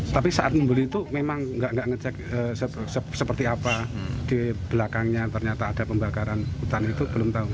tapi saat membeli itu memang nggak ngecek seperti apa di belakangnya ternyata ada pembakaran hutan itu belum tahu